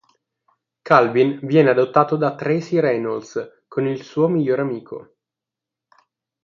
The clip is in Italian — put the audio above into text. Calvin viene adottato da Tracey Reynolds con il suo migliore amico.